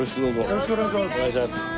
よろしくお願いします。